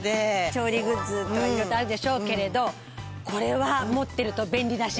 調理グッズとか色々とあるでしょうけれどこれは持ってると便利らしい。